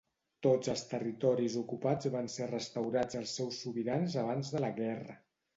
Tots els territoris ocupats van ser restaurats als seus sobirans abans de la guerra.